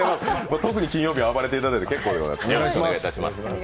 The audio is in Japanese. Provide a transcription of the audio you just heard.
特に金曜日は暴れていただいて結構でございます。